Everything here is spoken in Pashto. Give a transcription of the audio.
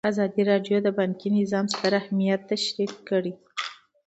ازادي راډیو د بانکي نظام ستر اهميت تشریح کړی.